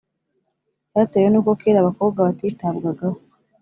cyatewe n’uko kera abakobwa batitabwagaho